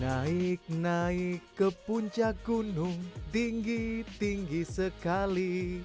naik naik ke puncak gunung tinggi tinggi sekali